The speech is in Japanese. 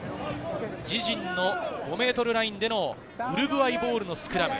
自陣の５ｍラインでのウルグアイボールのスクラム。